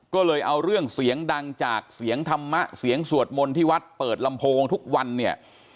ก็เลยเอาเรื่องเสียงดังจากเสียงธรรมะเสียงสวดมนต์ที่วัดเปิดลำโพงทุกวันเนี่ย